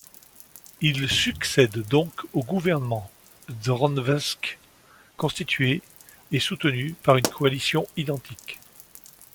Il succède donc au gouvernement Drnovšek, constitué et soutenu par une coalition identique.